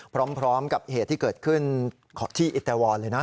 พร้อมกับเหตุที่เกิดขึ้นที่อิตาวรเลยนะ